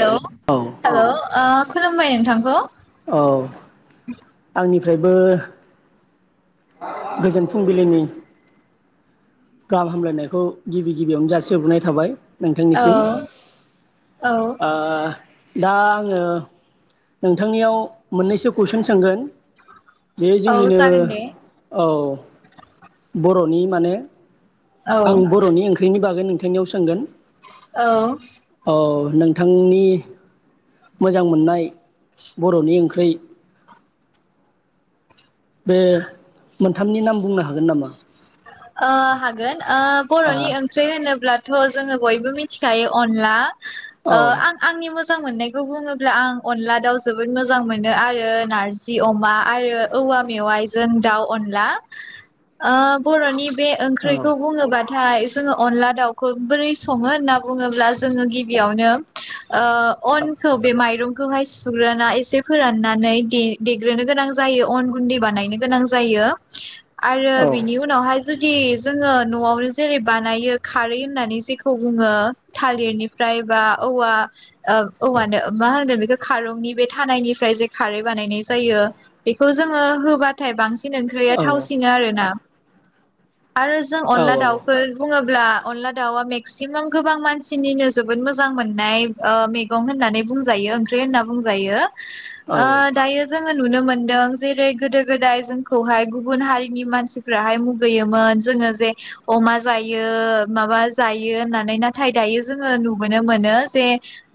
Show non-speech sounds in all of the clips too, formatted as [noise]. Hello औ hello ओ खुलुमबाय नोंथांखौ। औ आंनिफ्राय बो। गोजोन फुंबिलिनि गाहाम हामलायनायखौ गिबि गिबियावनो जासिहरग्रोनाय थाबाय। औ नोंथांनिसिम। औ दा आङो नोंथांनियाव मोननैसो कुइसन सोंगोन बे औ जोंनिनो जागोन दे औ बर'नि माने औ आं बर'नि ओंख्रिनि बागै नों थांनियाव सोंगोन। औ औ नोंथांनि मोजां मोननाय बर'नि ओंख्रि बे मोनथामनि नाम बुंनो हागोन नामा? आ हागोन। आ बर'नि ओंख्रि होनोब्ला थ' जोङो बयबो मिथिखायो अनला ओ आं आंनि मो जां मोननायखौ बुङोब्ला आं अनला दाउ जोबोद मोजां मोनो आरो नारजि अमा आरो औवा मेवाइजों दाउ अनला। आ बर'नि बे औ ओंख्रिखौ बुङोबाथाय जोङो अनला दाउखौ बोरै सङो होनना बुङोब्ला जोङो गिबियावनो ओ अनखौ बे माइरं खौहाय सुग्रोना एसे फोराननानै दे-देग्रो गोनां जायो अन गुन्दै बानायनो गोनां जायो। आरो औ बिनि उनावहाय जुदि जोङो आवनो जेरै बानायो खारै होननानै जेखौ बुङो थालिरनिफ्राय बा औवा ओ औवानो मा होनो बेखौ खारंनि बे थानायनिफ्राय जे खारै बानायनाय जायो बेखौ जोङो होबाथाय बां सिन ओंख्रिया औ थावसिनो आरो ना। आरो जों औ अनला दाउखौ बुङो अब्ला अनला दाउआ मेक्सिमाम गोबां मानसिनिनो जोबोद मोजां मोननाय ओ मैगं होननानै बुंजायो ओंख्रि होनना बुंजायो। औ ओ दायो जों जोङो नुनो मोनदों जेरै गोदो-गोदाय जोंखौहाय गुबुन हारिनि मानसि फोराहाय मुगैयोमोन जोङो जे अमा जायो माबा जायो होननानै नाथाय दायो जोङो नुबोनो मोनो जे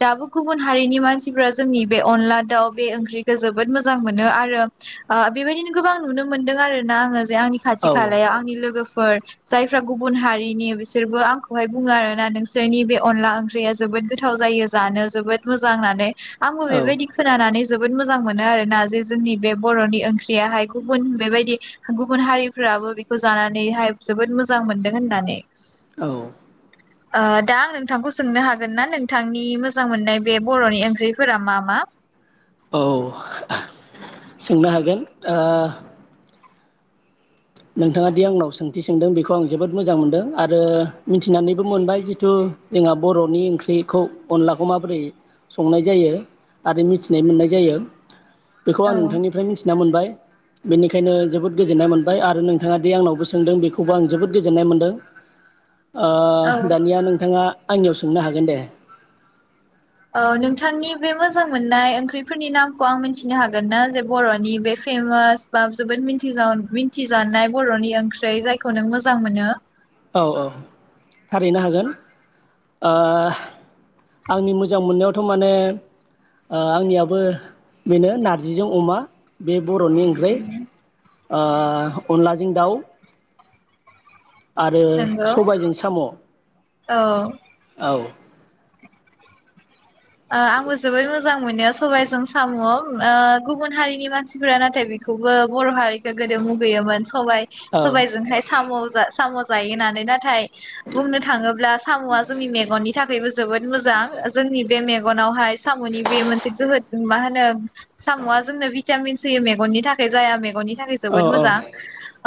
दाबो गुबुन हारिनि मानसिफ्रा जोंनि बे अनला दाउ बे ओंख्रिखौ जोबोद मोजां मोनो आरो ओ बेबायदिनो गोबां नुनो मोन्दों आरोना आङो जे आं खाथि खालायाव आंनि लोगो फोर जायफोरा गुबुन हारिनि बिसोरबो आंखौहाय बुङो आरोना नोंसोरनि बे अनला ओंख्रिया जोबोद गोथाव जायो जानो जोबोद मोजां होननानै। आंबो औ बेबायदि खोनानानै जोबोद मोजां मोनो आरोना जे जोंनि बे बर'नि ओंख्रियाहाय गुबुन बेबायदि गुबुन हारि फोराबो बेखौ जानानैहाय जोबोद मोजां मोनदों होननानै। औ ओ दा आं नोंथांखौ सोंनो हागोन ना नोंथांनि मोजां मोननाय बे बर'नि ओंख्रिफोरा मा मा? औ सोंनो हागोन ओ नोंथाङादि आंनाव सोंथि सोंदों बेखौ आं जोबोद मोजां मोनदों आरो मिथिनानैबो मोनबाय जिथु जोंहा बर'नि ओंख्रिखौ अनलाखौ माबोरै संनाय जायो आरो मिथिनाय मोननाय जायो। बेखौ आं औ नोंथांनिफ्राय मिथिना मोनबाय। बेनिखायनो जोबोद गोजोननाय मोन बाय आरो नोंथाङादि आंनावबो सोंदों बेखौबो आं जोबोद गोजोननाय मोनदों। ओ औ दानिया नोंथाङा आंनियाव सोंनो हागोन दे। ओ नोंथांनि बे मोजां मोननाय ओंख्रिफोरनि नामखौ आं मिथिनो हागोन ना जे बर'नि बे फेमास बा जोबोद मिथिजा मिथिजानाय बर'नि ओंख्रै जायखौ नों मोजां मोनो? औ औ थारैनो हागोन ओ आंनि मोजां मोननायावथ' माने ओ आंनियाबो बेनो नारजिजों अमा बे बर'नि ओंख्रै ओ अनलाजों दाउ आरो नंगौ सबायजों साम'। औ औ ओ आंबो जोबोर मोजां मोनो सबायजों साम'। ओ गुबुन हारिनि मानसिफोरा नाथाय बेखौबो बर' हारि गोदो मुगैयोमोन सबाय औ सबायजोंहाय साम' जा साम' जायो नानै नाथाय बुंनो थाङोब्ला साम'आ जोंनि मेगननि थाखायबो जोबोद मोजां जोंनि मेगनावहाय साम'नि बे मोनसे गोहो जों मा नो साम'आ जोंनो भिटामिन्स होयो मेगननि थाखाय जाया मेगननि थाखाय औ जोबोद मोजां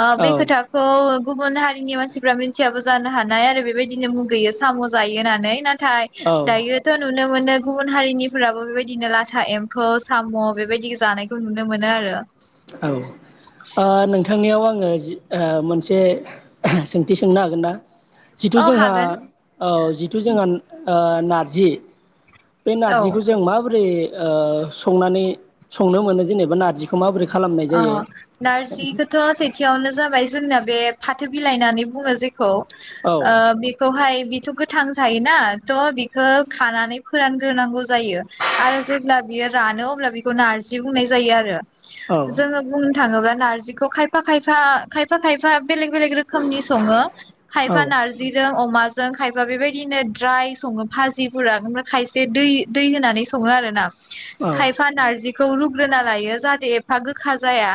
ओ बे औ खोथाखौ गुबुन हारिनि मानसिफ्रा मिनथियाबो जानो हानाय आरो बेबायदिनो मुगैयो साम' जायो होननानै ना थाय औ दायो थ' नुनो मोनो गुबुन हारिनिफोराबो बेबादिनो लाथा एम्फौ साम' बेबायदि जानायखौ नुनो मोनो आरो। औ ओ नोंथांनियाव आङो जि ओ मोनसे सोंथि सोंनो हागोन ना? जिथु औ जोंहा हागोन औ जिथु जोंहा ओ नारजि बे औ नारजिखौ जों मा बोरै ओ संनानै संनो मोनो जेनेबा नारजिखौ माबोरै खालामनाय अह जायो? नारजिखोथ सेथियावनो जाबाय जोंना बे फाथो बिलाइ होननानै बुङोजि खौ औ ओ बिखौहाय बि थ गोथां थायोना थ बिखो खानानै फोरानग्रोनांगौ जायो आरो जेब्ला बियो रानो अब्ला बिखौ नारजि बुंनाय जायो आरो। जोङो बुंनो थाङोबा नारजिखौ खायफा खायफा खायफा खायफा बेलेग बेलेग रोखोमनि सङो खायफा नारजिजों अमा जों खायफा बेबायदिनो द्राय सङो भाजिफोरा ओमफ्राय खायसे दै दै होनानै सङो आरोना। खायफा नारजि खौ रुग्रोना लायो जाहाते [unintelligible] गोखा जाया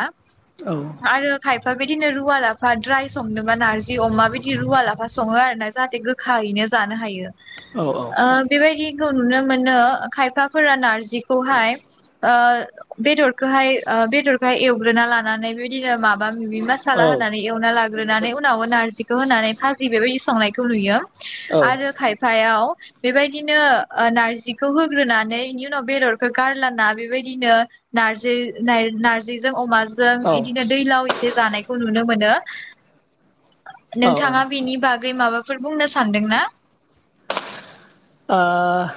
औ आरो खाय फा बिदिनो रुवा लाफा द्राय संनोबा नारजि अमा बिदि रुवालाफा सङो आरोना जाहाथे गोखायैनो जानो हायो। औ ओ बेबायदि खौ नुनो मोनो खायफाफोरा नार जिखौहाय ओ बेदरखोहाय ओ बेदरखोहाय एवग्रोना लानानै बिबाय दिनो माबा मिबि मासाला होनानै एवना लाग्रोनानै उनाव नारजिखौ होनानै फाजि बेबायदि संनायखौ नुयो। औ आरो खायफायाव बेबायदिनो ओ नारजिखौ होग्रोनानै इनि उनाव बेदरखो गारलाना बेबायदिनो नारजि नार नारजिजों अमा जों औ ओ इदिनो दैलावै [unintelligible] जानायखौ नुनो मोनो। नोंथाङा बेनि बागै माबा फोर बुंनो सानदोंना? ओह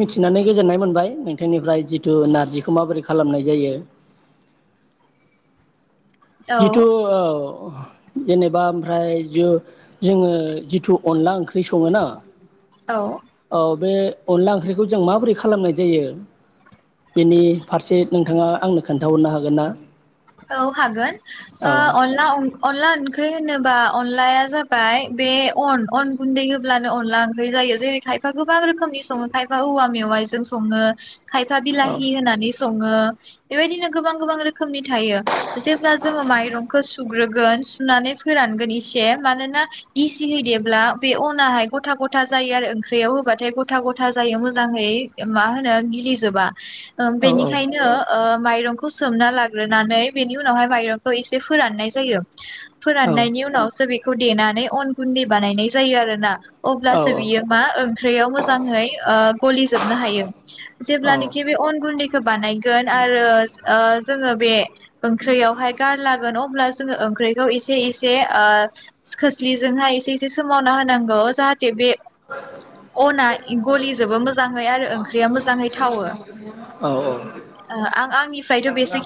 मिथिनानै गोजोननाय मोनबाय नोंथांनिफ्राय जिथु नारजिखौ माबोरै खालामनाय जायो। औ जिथु ओह जेनेबा ओमफ्राय जो जोङो जिथु अनला ओंख्रि सङोना औ। औ बे अनला ओंख्रिखौ जों माबोरै खालामनाय जायो बेनि फारसे नोंथाङा आंनो खोन्थाहरनो हागोन ना? औ हागोन। ओ औ अनला अं अनला ओंख्रि होनोबा अनलाया जाबाय बे अन अन गुनदै होब्लानो अनला ओंख्रि जायो जेरै खायफा गोबां रोखोमनि सङो खायफा औवा मेवाइजों सङो। खायफा औ बिलाहि होनानै स ओ बेबायदिनो गोबां गोबां रोखोमनि थायो जेब्ला जों मायरंखौ सु सुग्रोगोन सुनानै फोरानगोन एसे मानोना गिसि देब्ला बे अनाहाय गथा गथा जायो आरो ओंख्रियाव होबाथाय गथा गथा जायो मोजांयै मा होनो गिलिजोबा। ओम औ औ बेनिखायनो ओ माइरंखौ सोमना ला ग्रोनानै बेनि उनावहाय माइरंखौ एसे फोरान्नाय जायो। औ फोरान्नायनि उनावसो बे खौ देनानै अन गुन्दै बानायनाय जायो आरो ना। औ अब्लासो बियो मा ओंख्रियाव मोजाङै गलिजोबनो हायो। जेब्लानोखि बे अन गुन्दैखौ बानायगोन आरो ओ जोङो बे ओंख्रियाव हाय गारलागोन अ होमब्ला जोङो ओंख्रिखौ एसे एसे ओ खोस्लिजोंहाय एसे एसे सोमावना होनांगौ जाहाथे बे अना गलिजोबो मोजांयै आरो ओंख्रिया मोजांयै थावो। औ आं आंनिफ्रायथ बेसे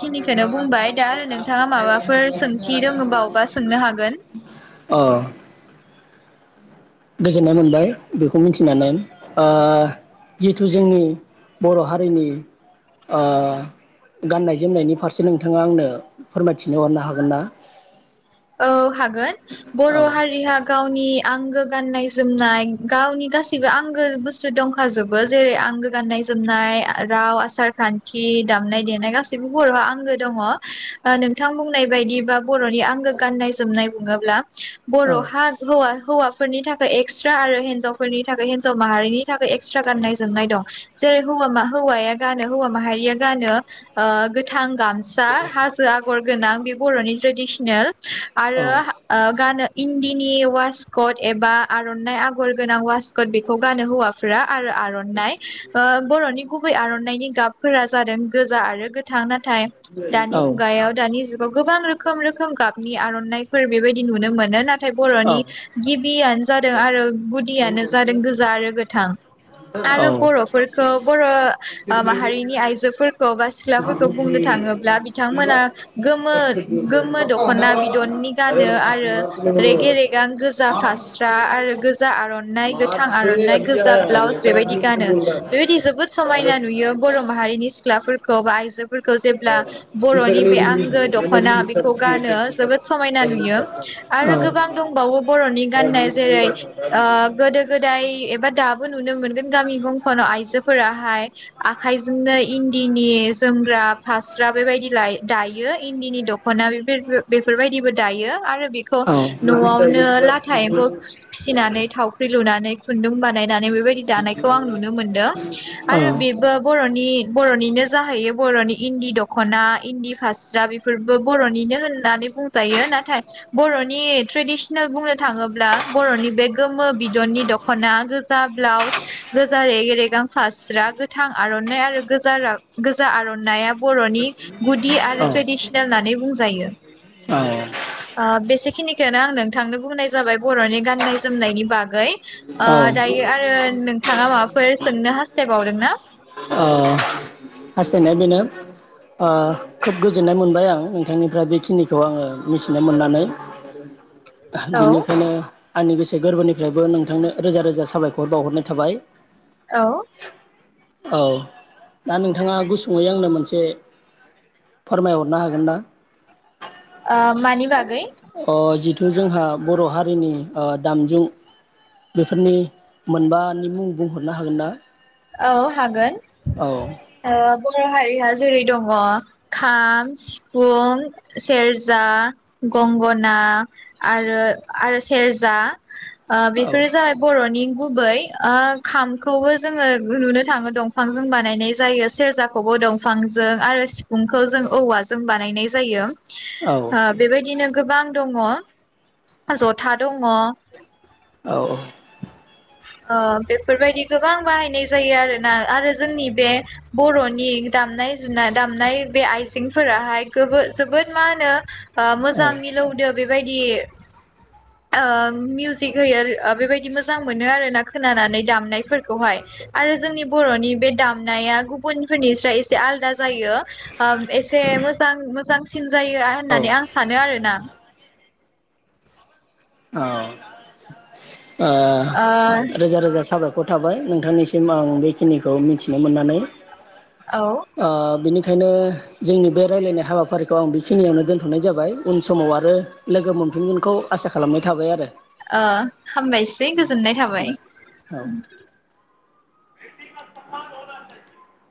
सोंथि दोङोबावबा सोंनो हागोन। औ। गोजोन्नाय मोनबाय बेखौ मिथिनानै ओ जिहेथु जोंनि बर' हारिनि ओ गान्नाय जोमनायनि फारसे नोंथाङा आंनो फोरमायथिनो हरनो हागोन ना। औ हागोन बर' औ हारिया गाव गावनि आंगो गान्नाय जोमनाय गावनि गासैबो आंगो बुस्थु दंखाजोबो जेरै आंगो गान्नाय जोमनाय राव, आसार खान्थि, दामनाय देनाय गासैबो बर'आ आंगो दङ नोंथां बुंनाय बायदिबा बर'नि आंगो गान्नाय जोमनाय बुङोब्ला औ बर'हा हौवा हौवाफोरनि थाखाय एक्सट्रा आरो हिनजावफोरनि थाखाय हिनजाव माहारिनि थाखाय एक्सट्रा गान्नाय जोमनाय दं जेरैहाय हौवाया गानो हौवा माहारिया गानो गोथां गामसा हाजो आगर गोनां बे बर'नि ट्रेडिसनेल। औ आरो ओ गानो इन्दिनि अवासकट एबा आर'नाइ आगर गोनां अवासकट बेखौ गानो हौवाफोरा। आरो आर'नाइ ओ बर'नि गुबै आर'नाइनि गाब फोरा जादों गोजा आरो गोथां नाथाय दानि औ मुगायाव दानि जुगाव गोबां रोखोम रोखोम गाब आर'नाइफोर बेबायदि नुनो मोनो ना नाथाय बर'नि गिबियानो जादों आरो गुदियानो जादों गोजा आरो गोथां। आरो औ बर'फोरखौ बर' माहारिनि आइजोफोरखौ बा सिख्लाफोरखौ बुंनो थाङोब्ला बिथांमोना गोमो गोमो द ना बिदननि गानो आरो रेगे या गोजा फास्रा आरो गोजा आर'ननाइ गोथां आर'नाइ गोजा ब्लाउस बेबायदि गानो बेबायदि जोबोद समायना नुयो बर' माहारिनि सिख्लाफोरखौ बा आइजो फोरखौ जेब्ला बर'नि बे आंगो औ दखना बेखौ गानो जोबोद समायना नुयो आरो गोबां दंबावो बरनि गाननाय जेरै ओ गोदो गोदाय एबा दाबो नुनो मोनगोन गामि गंफोराव आइजोफोराहाय आखाइजोंनो इन्दिनि जोमग्रा फास स्रा बेबायदि ला दायो इन्दिनि दखना बेरफो बेफोरबायदिबो दायो आरो बेखौ न'आवनो लाथा एम्फौ फिसि फिसिनानै थावख्रि लुनानै खुन्दुं बानाय नानै बेबायदि दानायखौ आं नुनो मोनदों आरो बेबो बर'नि बर'निनो जाहैयो बरनि इन्दि दखना इन्दि फास्रा बेफोरबो बर'निनो होननानै बुंजायो नाथाय बर'नि ट्रेडिसनेल बुंनो थाङोब्ला बर'नि बे गोमो बिदननि दखना गोजा ब्लाउस गोजा रेग रेगां फास्रा गोथां आरनाइ आरो गोजा रा गोजा आरननाइया बर'नि गुदि आरो ट्रेडिसनेल होननानै बुंजायो ओ बेसे बेखिनिखौनो आं नोंथांनो बुंनाय जाबाय बर'नि गाननाय जोमनायनि बागै ओ औ दायो आरो नोंथाङा माबाफोर सोंनो हा थायबावदों ना ओ हास्थायनाया बेनो ओ खोब गोजोननाय मोनबाय आं नोंथांनिफ्राय बेखिनिखौ आङो मिथिनो मोननानै औ बिनिखायनो आंनि गोसो गोरबोनिफ्रायबो नोंथांनो रोजा रोजा साबायखर बावहरनाय थाबाय औ औ दा नोंथाङा गुसुङै आंनो मोनसे फोरमायहरनो हागोन ना? ओ मानि बागै अ जिथु जोंहा बर हारिनि ओ दामजुं बेफोरनि मोनबानि मुं बुंहरनो हागोन ना? औ हागोन औ ओ बर' हारिया जेरै दङ खाम सिफुं सेरजा गंगना आरो आरो सेरजा ओ औ बेफोरो जाबाय बर'नि गुबै ओ खामखौबो जोङो नुनो नुनो थाङो दंफांजों बानायनाय जायो सेरजाखौबो दंफांजों आरो सिफुंखौ जों औवाजों बानायनाय जायो औ ओ औ बेबायदिनो गोबां दङ जथा दङ औ ओ बेफोरबायदि गोबां बाहायनाय जायो आरोना आरो जोंनि बे बर'नि दामनाय जुनाय दामनाय बे आइजेंफोराहाय गोबो जोबोद मा होनो ओ मोजां औ मिलौदो बेबाय दि ओ मिउजिक होयो ओ बेबायदि मोजां मोनो आरोना खोनानानै दामनायफोरखौहाय आरो जोंनि बरनि बे दामनाया गुबुनफोरनिस्राय एसे आलदा जायो ओ एसे मोजां मो जांसिन जायो होननानै आं औ सानो आरोना औ। ओ ओ रोजा रोजा साबाय खर थाबाय नोंथांनिसिम, आं बेखिनिखौ मिथिनो मोननानै औ ओ बिनि खायनो जोंनि बे रायलायनाय हाबाफारिखौ आं बेखिनियावनो दोनथनाय जाबाय, उन समाव आरो लोगो मोनफिनगोनखौ आसा खालामनाय थाबाय आरो। ओ हामबायसै गोजोननाय थाबाय। औ [inaudible]